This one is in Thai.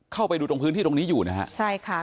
เข้าไปดูตรงพื้นที่ตรงนี้อยู่นะครับ